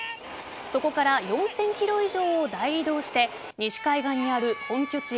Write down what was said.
そこから４０００ｋｍ以上を大移動して西海岸にある本拠地